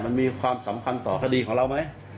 มันมีความสำคัญต่อคดีของเราไหม